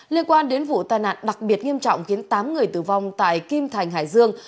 liên quan đến vụ tai nạn đặc biệt nghiêm trọng khiến tám người tử vong tại kim thành hải dương